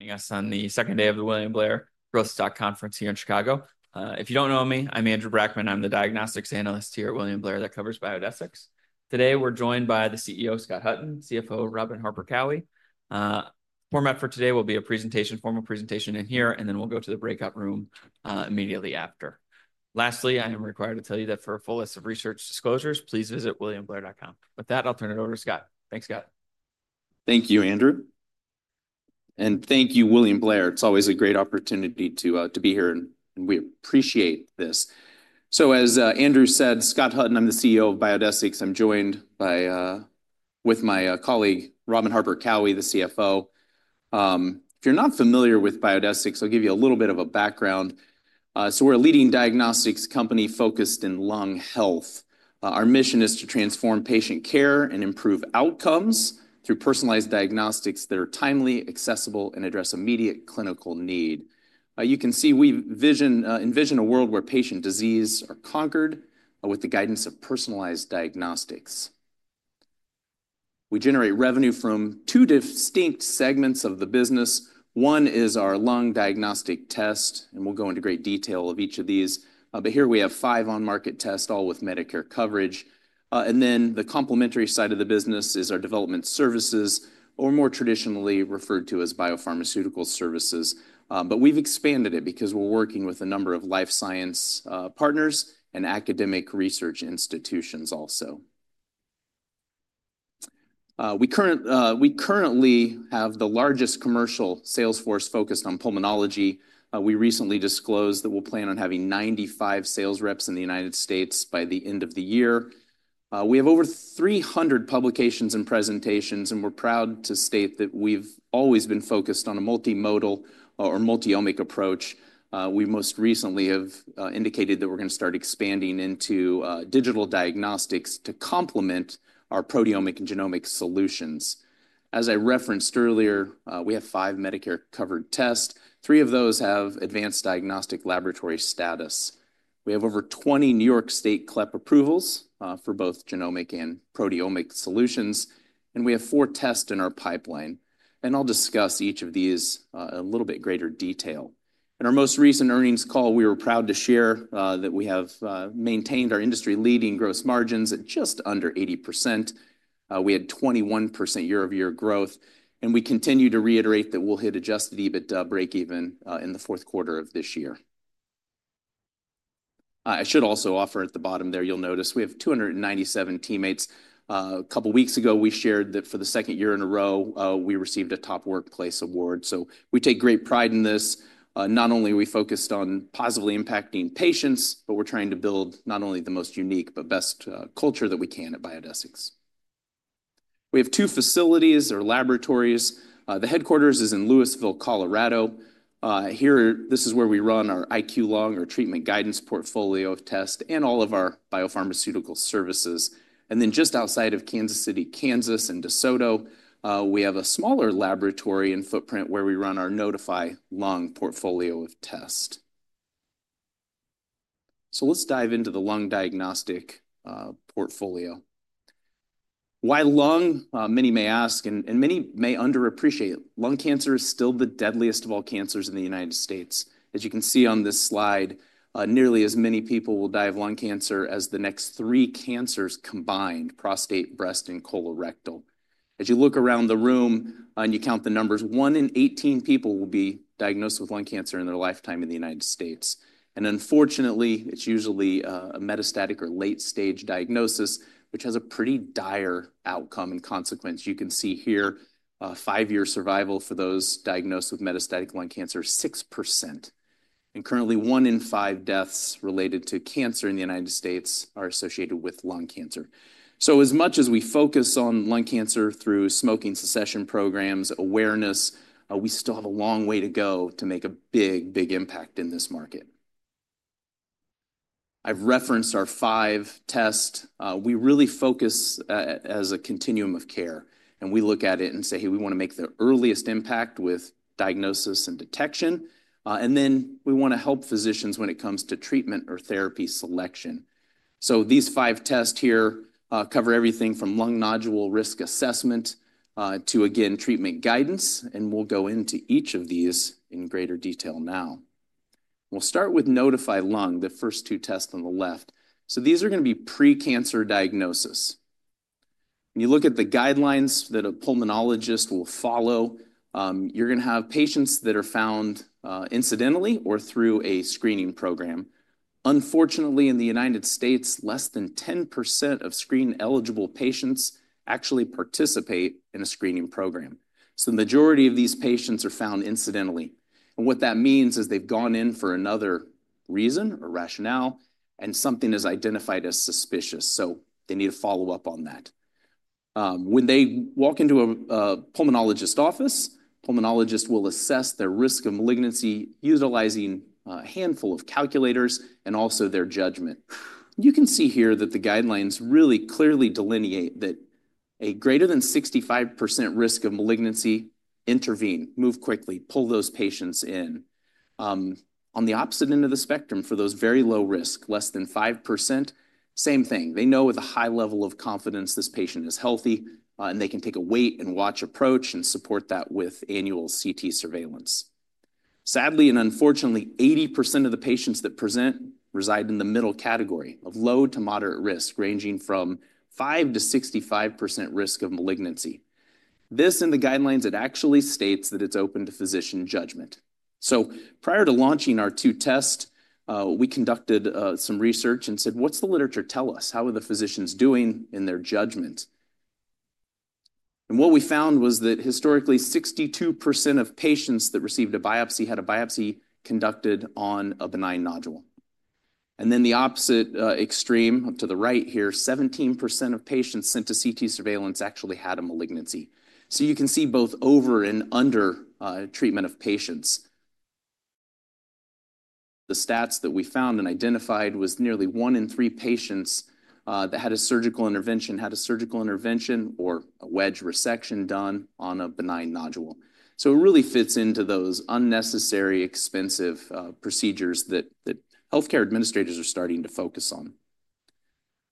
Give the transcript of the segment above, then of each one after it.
I guess on the second day of the William Blair Growth Stock Conference here in Chicago. If you do not know me, I am Andrew Brackman. I am the diagnostics analyst here at William Blair that covers Biodesix. Today we are joined by the CEO, Scott Hutton, and CFO, Robin Harper Cowie. Format for today will be a presentation, formal presentation in here, and then we will go to the breakout room immediately after. Lastly, I am required to tell you that for a full list of research disclosures, please visit williamblair.com. With that, I will turn it over to Scott. Thanks, Scott. Thank you, Andrew. Thank you, William Blair. It's always a great opportunity to be here, and we appreciate this. As Andrew said, Scott Hutton, I'm the CEO of Biodesix. I'm joined by my colleague, Robin Harper Cowie, the CFO. If you're not familiar with Biodesix, I'll give you a little bit of a background. We're a leading diagnostics company focused in lung health. Our mission is to transform patient care and improve outcomes through personalized diagnostics that are timely, accessible, and address immediate clinical need. You can see we envision a world where patient disease is conquered with the guidance of personalized diagnostics. We generate revenue from two distinct segments of the business. One is our lung diagnostic test, and we'll go into great detail of each of these. Here we have five on-market tests, all with Medicare coverage. The complementary side of the business is our development services, or more traditionally referred to as biopharmaceutical services. We have expanded it because we are working with a number of life science partners and academic research institutions also. We currently have the largest commercial sales force focused on pulmonology. We recently disclosed that we will plan on having 95 sales reps in the United States by the end of the year. We have over 300 publications and presentations, and we are proud to state that we have always been focused on a multimodal or multi-omic approach. We most recently have indicated that we are going to start expanding into digital diagnostics to complement our proteomic and genomic solutions. As I referenced earlier, we have five Medicare-covered tests. Three of those have advanced diagnostic laboratory status. We have over 20 New York State CLEP approvals for both genomic and proteomic solutions, and we have four tests in our pipeline. I will discuss each of these in a little bit greater detail. In our most recent earnings call, we were proud to share that we have maintained our industry-leading gross margins at just under 80%. We had 21% year-over-year growth, and we continue to reiterate that we will hit Adjusted EBITDA break-even in the fourth quarter of this year. I should also offer at the bottom there, you will notice we have 297 teammates. A couple of weeks ago, we shared that for the second year in a row, we received a Top Workplace Award. We take great pride in this. Not only are we focused on positively impacting patients, but we are trying to build not only the most unique, but best culture that we can at Biodesix. We have two facilities or laboratories. The headquarters is in Louisville, Colorado. Here, this is where we run our IQ Lung, our treatment guidance portfolio test, and all of our biopharmaceutical services. Just outside of Kansas City, Kansas in DeSoto, we have a smaller laboratory and footprint where we run our Nodify Lung portfolio of tests. Let's dive into the lung diagnostic portfolio. Why lung? Many may ask, and many may underappreciate it. Lung cancer is still the deadliest of all cancers in the United States. As you can see on this slide, nearly as many people will die of lung cancer as the next three cancers combined: prostate, breast, and colorectal. As you look around the room and you count the numbers, one in 18 people will be diagnosed with lung cancer in their lifetime in the United States. Unfortunately, it's usually a metastatic or late-stage diagnosis, which has a pretty dire outcome and consequence. You can see here, five-year survival for those diagnosed with metastatic lung cancer is 6%. Currently, one in five deaths related to cancer in the United States are associated with lung cancer. As much as we focus on lung cancer through smoking cessation programs, awareness, we still have a long way to go to make a big, big impact in this market. I've referenced our five tests. We really focus as a continuum of care, and we look at it and say, "Hey, we want to make the earliest impact with diagnosis and detection," and then we want to help physicians when it comes to treatment or therapy selection. These five tests here cover everything from lung nodule risk assessment to, again, treatment guidance, and we'll go into each of these in greater detail now. We'll start with Nodify Lung, the first two tests on the left. These are going to be pre-cancer diagnosis. When you look at the guidelines that a pulmonologist will follow, you're going to have patients that are found incidentally or through a screening program. Unfortunately, in the United States, less than 10% of screen-eligible patients actually participate in a screening program. The majority of these patients are found incidentally. What that means is they've gone in for another reason or rationale, and something is identified as suspicious. They need to follow up on that. When they walk into a pulmonologist's office, the pulmonologist will assess their risk of malignancy utilizing a handful of calculators and also their judgment. You can see here that the guidelines really clearly delineate that a greater than 65% risk of malignancy, intervene, move quickly, pull those patients in. On the opposite end of the spectrum, for those very low risk, less than 5%, same thing. They know with a high level of confidence this patient is healthy, and they can take a wait-and-watch approach and support that with annual CT surveillance. Sadly and unfortunately, 80% of the patients that present reside in the middle category of low to moderate risk, ranging from 5%-65% risk of malignancy. This, in the guidelines, it actually states that it's open to physician judgment. So prior to launching our two tests, we conducted some research and said, "What's the literature tell us? How are the physicians doing in their judgment? What we found was that historically, 62% of patients that received a biopsy had a biopsy conducted on a benign nodule. At the opposite extreme up to the right here, 17% of patients sent to CT surveillance actually had a malignancy. You can see both over and under treatment of patients. The stats that we found and identified was nearly one in three patients that had a surgical intervention had a surgical intervention or a wedge resection done on a benign nodule. It really fits into those unnecessary, expensive procedures that healthcare administrators are starting to focus on.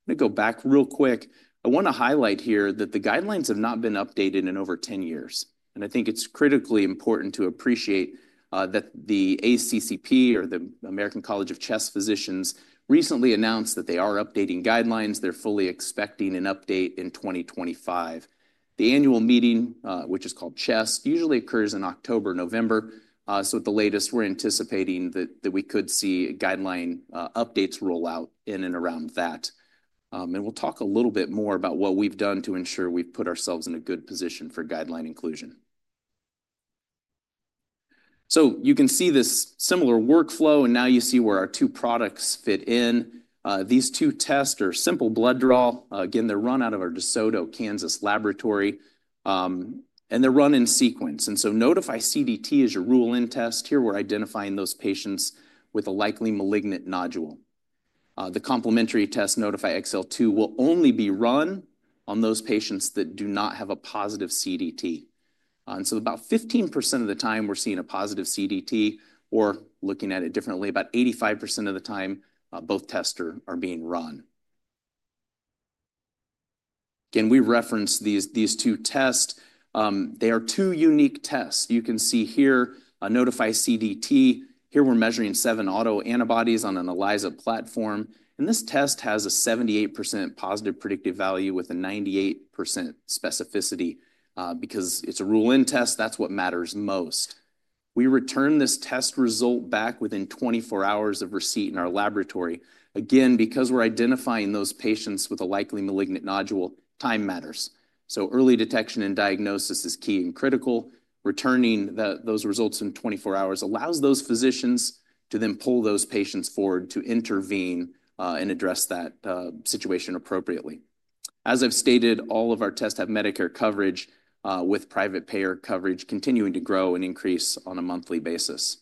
I'm going to go back real quick. I want to highlight here that the guidelines have not been updated in over 10 years. I think it's critically important to appreciate that the ACCP, or the American College of Chest Physicians, recently announced that they are updating guidelines. They're fully expecting an update in 2025. The annual meeting, which is called CHEST, usually occurs in October or November. At the latest, we're anticipating that we could see guideline updates roll out in and around that. We'll talk a little bit more about what we've done to ensure we've put ourselves in a good position for guideline inclusion. You can see this similar workflow, and now you see where our two products fit in. These two tests are simple blood draw. Again, they're run out of our DeSoto, Kansas laboratory, and they're run in sequence. Notify CDT is your rule-in test here where identifying those patients with a likely malignant nodule. The complementary test, Nodify XL2, will only be run on those patients that do not have a positive CDT. About 15% of the time we're seeing a positive CDT, or looking at it differently, about 85% of the time both tests are being run. Again, we reference these two tests. They are two unique tests. You can see here, Nodify CDT. Here we're measuring seven autoantibodies on an ELISA platform. This test has a 78% positive predictive value with a 98% specificity because it's a rule-in test. That's what matters most. We return this test result back within 24 hours of receipt in our laboratory. Again, because we're identifying those patients with a likely malignant nodule, time matters. Early detection and diagnosis is key and critical. Returning those results in 24 hours allows those physicians to then pull those patients forward to intervene and address that situation appropriately. As I've stated, all of our tests have Medicare coverage with private payer coverage, continuing to grow and increase on a monthly basis.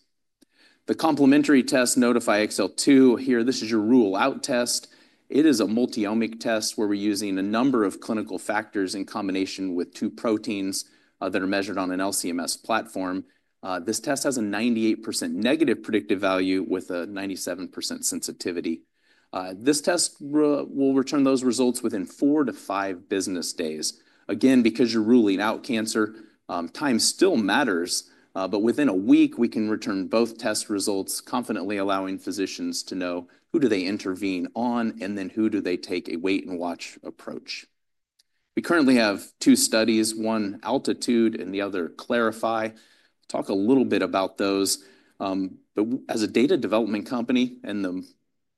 The complementary test, Nodify XL2, here, this is your rule-out test. It is a multi-omic test where we're using a number of clinical factors in combination with two proteins that are measured on an LCMS platform. This test has a 98% negative predictive value with a 97% sensitivity. This test will return those results within four to five business days. Again, because you're ruling out cancer, time still matters, but within a week, we can return both test results confidently, allowing physicians to know who do they intervene on and then who do they take a wait-and-watch approach. We currently have two studies, one Altitude and the other Clarify. I'll talk a little bit about those. As a data development company and the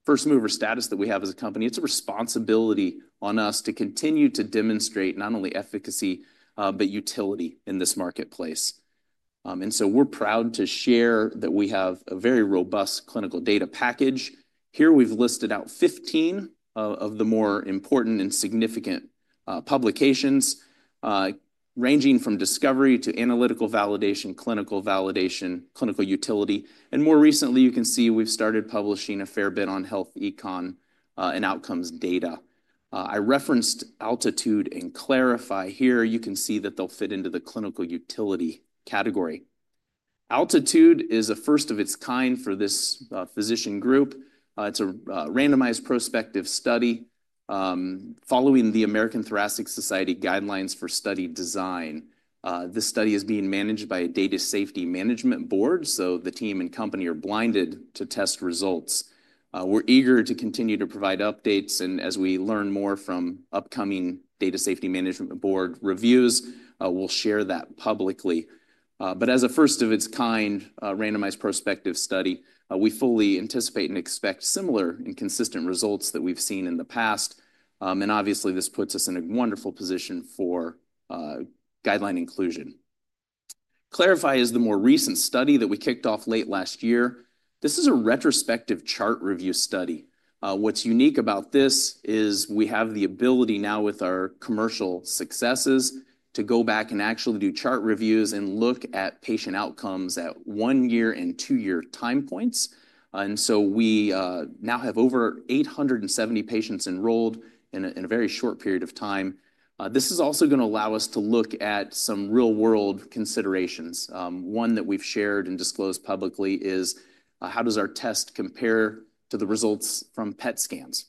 first mover status that we have as a company, it's a responsibility on us to continue to demonstrate not only efficacy, but utility in this marketplace. We're proud to share that we have a very robust clinical data package. Here we've listed out 15 of the more important and significant publications, ranging from discovery to analytical validation, clinical validation, clinical utility. More recently, you can see we've started publishing a fair bit on health econ and outcomes data. I referenced Altitude and Clarify here. You can see that they'll fit into the clinical utility category. Altitude is a first of its kind for this physician group. It's a randomized prospective study following the American Thoracic Society guidelines for study design. This study is being managed by a data safety management board, so the team and company are blinded to test results. We're eager to continue to provide updates, and as we learn more from upcoming data safety management board reviews, we'll share that publicly. As a first of its kind randomized prospective study, we fully anticipate and expect similar and consistent results that we've seen in the past. Obviously, this puts us in a wonderful position for guideline inclusion. Clarify is the more recent study that we kicked off late last year. This is a retrospective chart review study. What's unique about this is we have the ability now with our commercial successes to go back and actually do chart reviews and look at patient outcomes at one-year and two-year time points. We now have over 870 patients enrolled in a very short period of time. This is also going to allow us to look at some real-world considerations. One that we've shared and disclosed publicly is how does our test compare to the results from PET scans?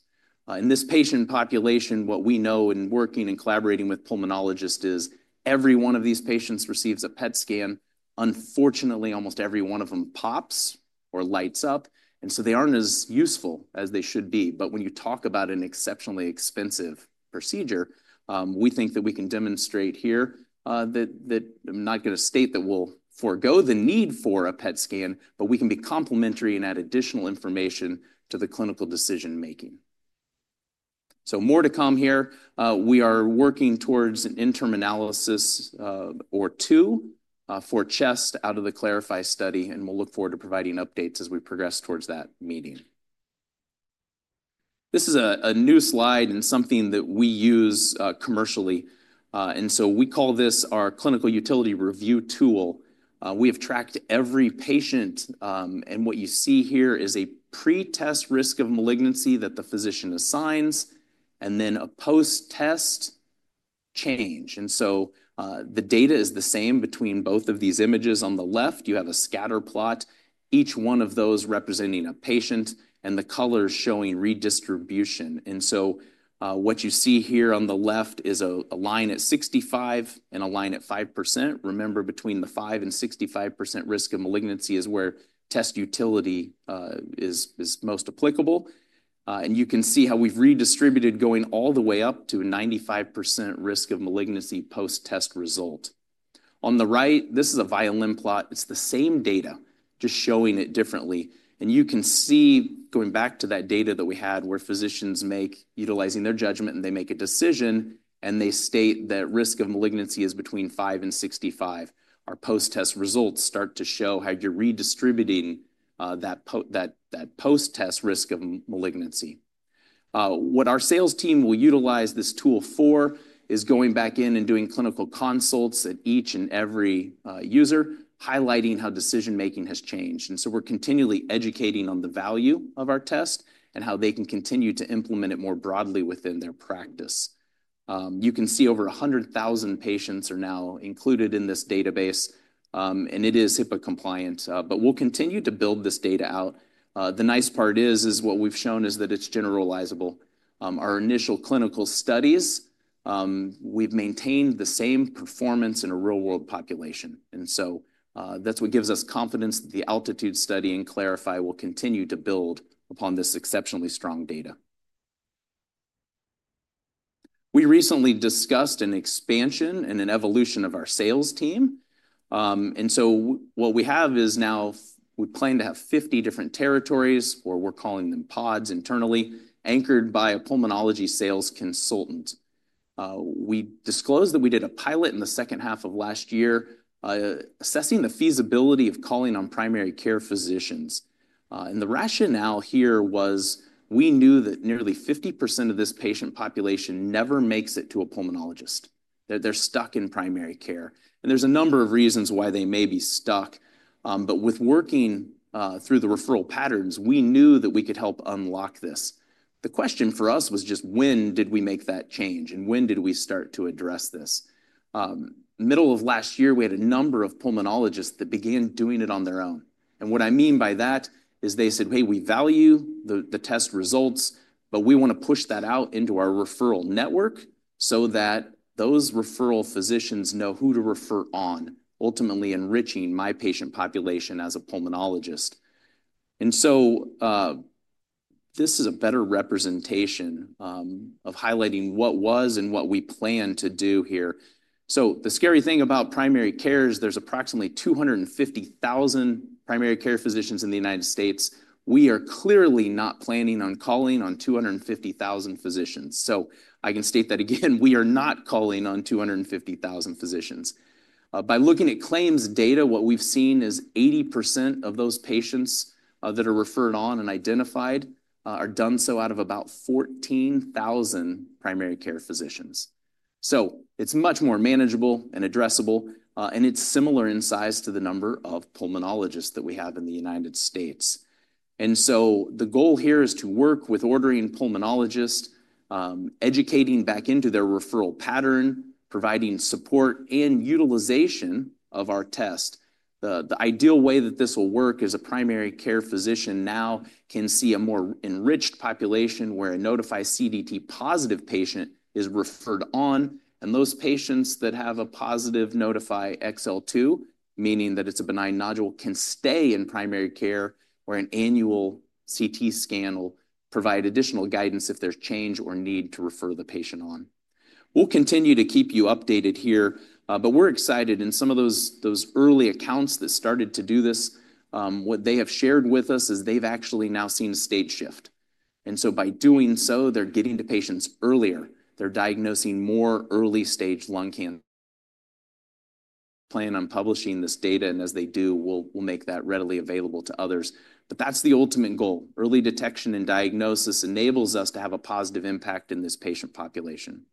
In this patient population, what we know in working and collaborating with pulmonologists is every one of these patients receives a PET scan. Unfortunately, almost every one of them pops or lights up, and so they aren't as useful as they should be. When you talk about an exceptionally expensive procedure, we think that we can demonstrate here that I'm not going to state that we'll forego the need for a PET scan, but we can be complementary and add additional information to the clinical decision-making. More to come here. We are working towards an interim analysis or two for CHEST out of the Clarify study, and we'll look forward to providing updates as we progress towards that meeting. This is a new slide and something that we use commercially. We call this our clinical utility review tool. We have tracked every patient, and what you see here is a pretest risk of malignancy that the physician assigns and then a post-test change. The data is the same between both of these images. On the left, you have a scatter plot, each one of those representing a patient, and the colors showing redistribution. What you see here on the left is a line at 65% and a line at 5%. Remember, between the 5% and 65% risk of malignancy is where test utility is most applicable. You can see how we've redistributed going all the way up to a 95% risk of malignancy post-test result. On the right, this is a Violin plot. It's the same data, just showing it differently. You can see going back to that data that we had where physicians make utilizing their judgment, and they make a decision, and they state that risk of malignancy is between 5% and 65%. Our post-test results start to show how you're redistributing that post-test risk of malignancy. What our sales team will utilize this tool for is going back in and doing clinical consults at each and every user, highlighting how decision-making has changed. We are continually educating on the value of our test and how they can continue to implement it more broadly within their practice. You can see over 100,000 patients are now included in this database, and it is HIPAA compliant, but we'll continue to build this data out. The nice part is, is what we've shown is that it's generalizable. Our initial clinical studies, we've maintained the same performance in a real-world population. That is what gives us confidence that the Altitude study and Clarify will continue to build upon this exceptionally strong data. We recently discussed an expansion and an evolution of our sales team. What we have is now we plan to have 50 different territories, or we're calling them pods internally, anchored by a pulmonology sales consultant. We disclosed that we did a pilot in the second half of last year assessing the feasibility of calling on primary care physicians. The rationale here was we knew that nearly 50% of this patient population never makes it to a pulmonologist. They're stuck in primary care. There are a number of reasons why they may be stuck. With working through the referral patterns, we knew that we could help unlock this. The question for us was just, when did we make that change? When did we start to address this? Middle of last year, we had a number of pulmonologists that began doing it on their own. What I mean by that is they said, "Hey, we value the test results, but we want to push that out into our referral network so that those referral physicians know who to refer on, ultimately enriching my patient population as a pulmonologist." This is a better representation of highlighting what was and what we plan to do here. The scary thing about primary care is there's approximately 250,000 primary care physicians in the United States. We are clearly not planning on calling on 250,000 physicians. I can state that again, we are not calling on 250,000 physicians. By looking at claims data, what we've seen is 80% of those patients that are referred on and identified are done so out of about 14,000 primary care physicians. It is much more manageable and addressable, and it is similar in size to the number of pulmonologists that we have in the United States. The goal here is to work with ordering pulmonologists, educating back into their referral pattern, providing support and utilization of our test. The ideal way that this will work is a primary care physician now can see a more enriched population where a Nodify CDT positive patient is referred on. Those patients that have a positive Nodify XL2, meaning that it is a benign nodule, can stay in primary care where an annual CT scan will provide additional guidance if there is change or need to refer the patient on. We will continue to keep you updated here, but we are excited. Some of those early accounts that started to do this, what they have shared with us is they have actually now seen a state shift. By doing so, they are getting to patients earlier. They are diagnosing more early-stage lung cancer. We plan on publishing this data, and as they do, we will make that readily available to others. That is the ultimate goal. Early detection and diagnosis enables us to have a positive impact in this patient population.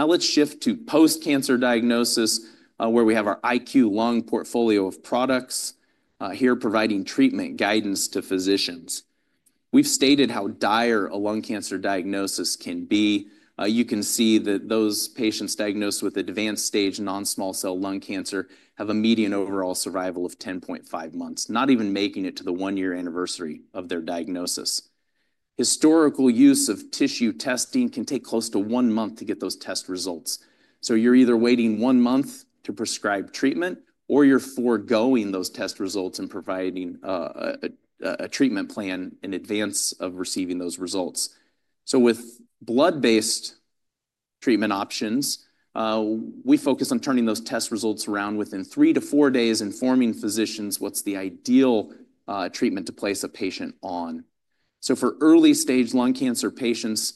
Now let us shift to post-cancer diagnosis, where we have our IQ Lung portfolio of products providing treatment guidance to physicians. We've stated how dire a lung cancer diagnosis can be. You can see that those patients diagnosed with advanced-stage non-small cell lung cancer have a median overall survival of 10.5 months, not even making it to the one-year anniversary of their diagnosis. Historical use of tissue testing can take close to one month to get those test results. You are either waiting one month to prescribe treatment, or you are foregoing those test results and providing a treatment plan in advance of receiving those results. With blood-based treatment options, we focus on turning those test results around within three to four days and informing physicians what's the ideal treatment to place a patient on. For early-stage lung cancer patients,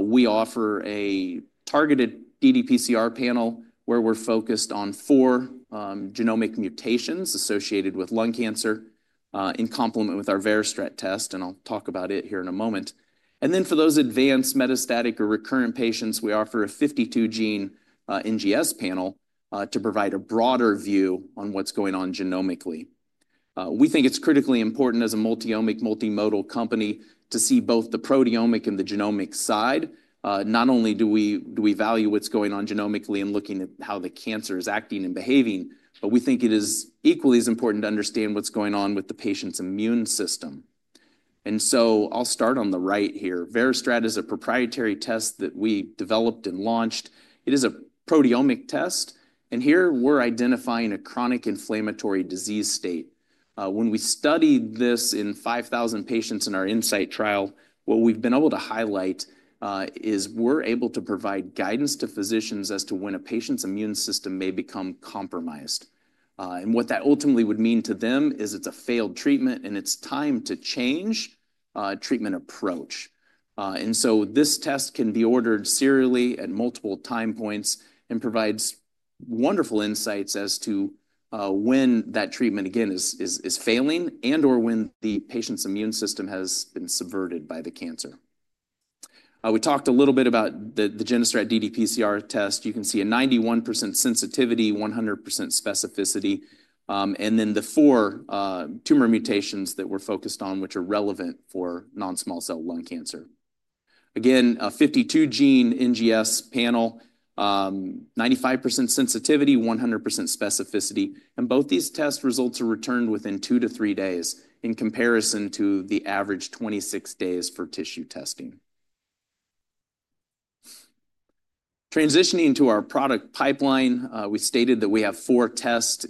we offer a targeted DDPCR panel where we're focused on four genomic mutations associated with lung cancer in complement with our VeriStrat test, and I'll talk about it here in a moment. Then for those advanced metastatic or recurrent patients, we offer a 52-gene NGS panel to provide a broader view on what's going on genomically. We think it's critically important as a multi-omic, multimodal company to see both the proteomic and the genomic side. Not only do we value what's going on genomically in looking at how the cancer is acting and behaving, but we think it is equally as important to understand what's going on with the patient's immune system. I'll start on the right here. VeriStrat is a proprietary test that we developed and launched. It is a proteomic test. Here we're identifying a chronic inflammatory disease state. When we studied this in 5,000 patients in our INSITE trial, what we've been able to highlight is we're able to provide guidance to physicians as to when a patient's immune system may become compromised. What that ultimately would mean to them is it's a failed treatment, and it's time to change a treatment approach. This test can be ordered serially at multiple time points and provides wonderful insights as to when that treatment, again, is failing and/or when the patient's immune system has been subverted by the cancer. We talked a little bit about the VeriStrat DDPCR test. You can see a 91% sensitivity, 100% specificity, and then the four tumor mutations that we're focused on, which are relevant for non-small cell lung cancer. Again, a 52-gene NGS panel, 95% sensitivity, 100% specificity. Both these test results are returned within two to three days in comparison to the average 26 days for tissue testing. Transitioning to our product pipeline, we stated that we have four tests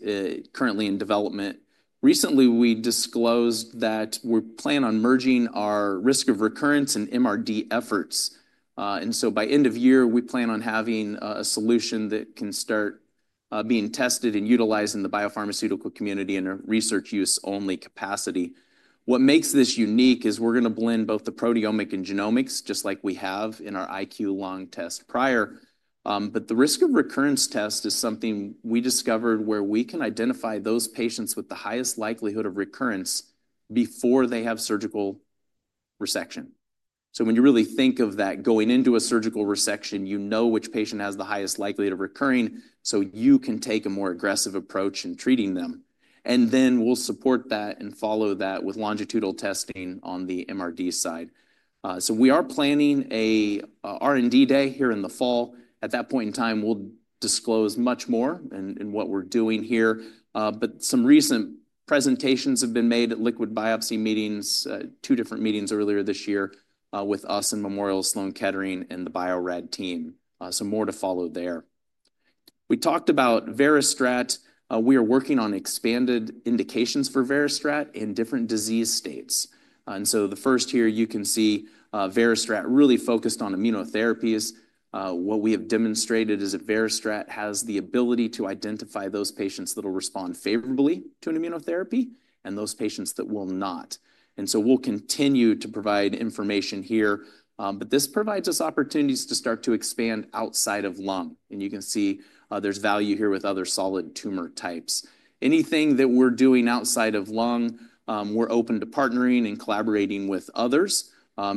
currently in development. Recently, we disclosed that we plan on merging our risk of recurrence and MRD efforts. By end of year, we plan on having a solution that can start being tested and utilized in the biopharmaceutical community in a research use-only capacity. What makes this unique is we're going to blend both the proteomic and genomics, just like we have in our IQ Lung test prior. The risk of recurrence test is something we discovered where we can identify those patients with the highest likelihood of recurrence before they have surgical resection. When you really think of that, going into a surgical resection, you know which patient has the highest likelihood of recurring, so you can take a more aggressive approach in treating them. We will support that and follow that with longitudinal testing on the MRD side. We are planning an R&D day here in the fall. At that point in time, we will disclose much more in what we are doing here. Some recent presentations have been made at liquid biopsy meetings, two different meetings earlier this year with us and Memorial Sloan Kettering and the Bio-Rad team. More to follow there. We talked about VeriStrat. We are working on expanded indications for VeriStrat in different disease states. The first here, you can see VeriStrat really focused on immunotherapies. What we have demonstrated is that VeriStrat has the ability to identify those patients that will respond favorably to an immunotherapy and those patients that will not. We will continue to provide information here. This provides us opportunities to start to expand outside of lung. You can see there is value here with other solid tumor types. Anything that we are doing outside of lung, we are open to partnering and collaborating with others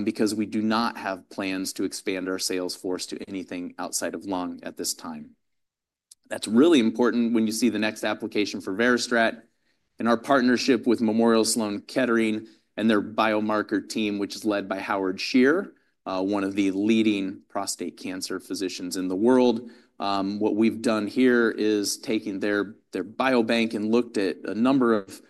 because we do not have plans to expand our sales force to anything outside of lung at this time. That is really important when you see the next application for VeriStrat and our partnership with Memorial Sloan Kettering and their biomarker team, which is led by Howard Scher, one of the leading prostate cancer physicians in the world. What we've done here is taken their biobank and looked at a number of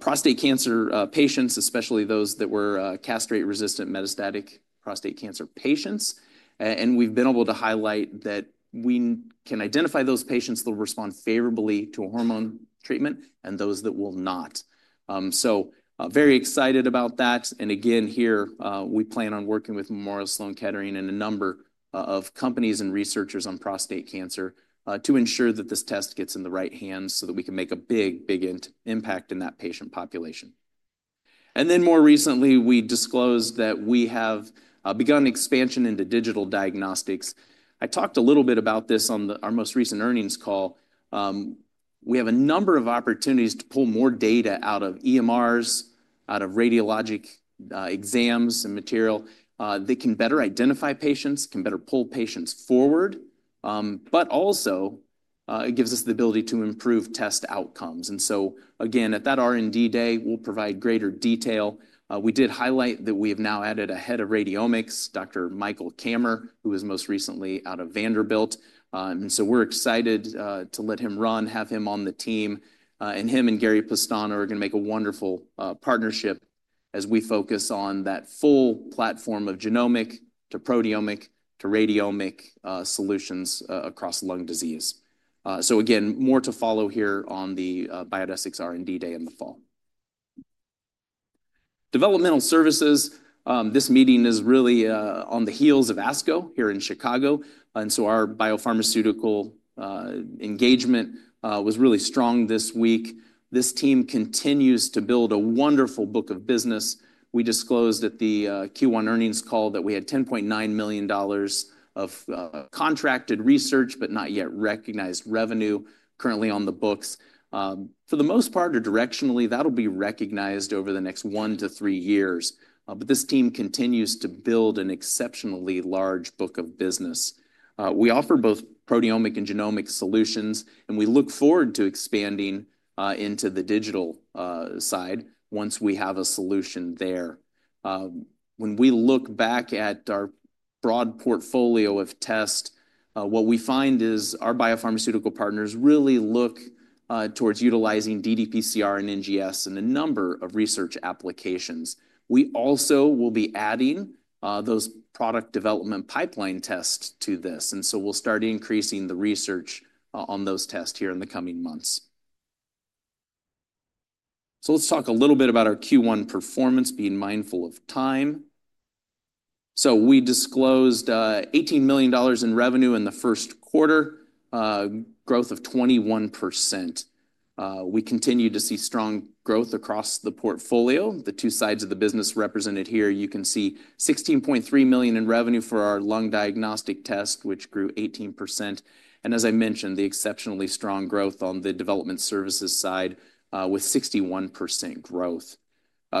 prostate cancer patients, especially those that were castrate-resistant metastatic prostate cancer patients. We've been able to highlight that we can identify those patients that will respond favorably to hormone treatment and those that will not. Very excited about that. Again, here, we plan on working with Memorial Sloan Kettering and a number of companies and researchers on prostate cancer to ensure that this test gets in the right hands so that we can make a big, big impact in that patient population. More recently, we disclosed that we have begun expansion into digital diagnostics. I talked a little bit about this on our most recent earnings call. We have a number of opportunities to pull more data out of EMRs, out of radiologic exams and material that can better identify patients, can better pull patients forward, but also it gives us the ability to improve test outcomes. Again, at that R&D day, we'll provide greater detail. We did highlight that we have now added a head of radiomics, Dr. Michael Kammer, who was most recently out of Vanderbilt. We're excited to let him run, have him on the team. Him and Gary Pastana are going to make a wonderful partnership as we focus on that full platform of genomic to proteomic to radiomic solutions across lung disease. Again, more to follow here on the Biodesix R&D day in the fall. Developmental services. This meeting is really on the heels of ASCO here in Chicago. Our biopharmaceutical engagement was really strong this week. This team continues to build a wonderful book of business. We disclosed at the Q1 earnings call that we had $10.9 million of contracted research, but not yet recognized revenue currently on the books. For the most part, or directionally, that'll be recognized over the next one to three years. This team continues to build an exceptionally large book of business. We offer both proteomic and genomic solutions, and we look forward to expanding into the digital side once we have a solution there. When we look back at our broad portfolio of tests, what we find is our biopharmaceutical partners really look towards utilizing DDPCR and NGS in a number of research applications. We also will be adding those product development pipeline tests to this. We will start increasing the research on those tests here in the coming months. Let's talk a little bit about our Q1 performance, being mindful of time. We disclosed $18 million in revenue in the first quarter, growth of 21%. We continue to see strong growth across the portfolio. The two sides of the business represented here, you can see $16.3 million in revenue for our lung diagnostic testing, which grew 18%. As I mentioned, the exceptionally strong growth on the development services side with 61% growth.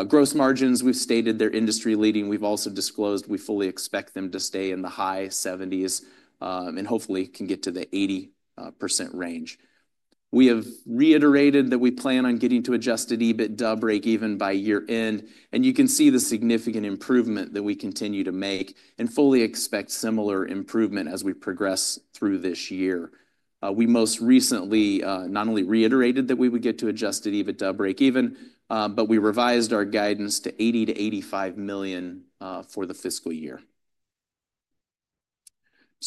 Gross margins, we've stated they're industry leading. We've also disclosed we fully expect them to stay in the high 70% and hopefully can get to the 80% range. We have reiterated that we plan on getting to Adjusted EBITDA break-even by year-end. You can see the significant improvement that we continue to make and fully expect similar improvement as we progress through this year. We most recently not only reiterated that we would get to adjusted EBITDA break-even, but we revised our guidance to $80-$85 million for the fiscal year.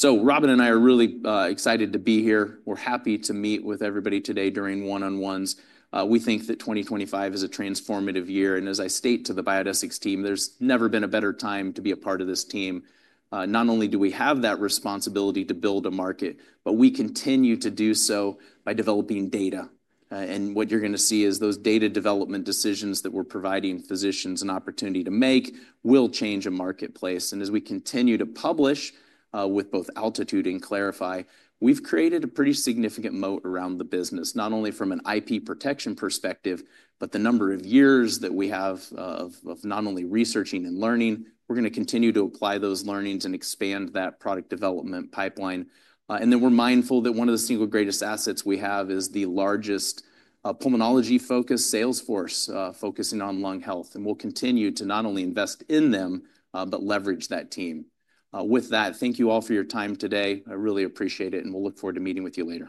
Robin and I are really excited to be here. We're happy to meet with everybody today during one-on-ones. We think that 2025 is a transformative year. As I state to the Biodesix team, there's never been a better time to be a part of this team. Not only do we have that responsibility to build a market, but we continue to do so by developing data. What you're going to see is those data development decisions that we're providing physicians an opportunity to make will change a marketplace. As we continue to publish with both Altitude and Clarify, we have created a pretty significant moat around the business, not only from an IP protection perspective, but the number of years that we have of not only researching and learning. We are going to continue to apply those learnings and expand that product development pipeline. We are mindful that one of the single greatest assets we have is the largest pulmonology-focused sales force focusing on lung health. We will continue to not only invest in them, but leverage that team. With that, thank you all for your time today. I really appreciate it, and we will look forward to meeting with you later.